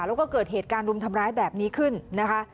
แล้วก็เกิดเหตุการณ์รุมทำร้ายแบบนี้ขึ้นนะคะ